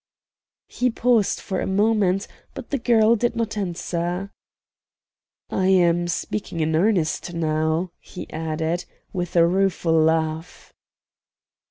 He paused for a moment, but the girl did not answer. "I am speaking in earnest now," he added, with a rueful laugh.